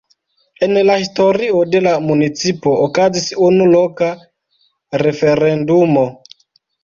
En la historio de la municipo okazis unu loka referendumo.